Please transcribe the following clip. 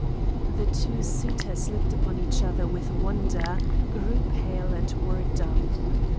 The two suitors looked upon each other with wonder, grew pale and were dumb.